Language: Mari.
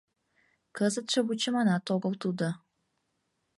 Кызытше вучыманат огыл тудо.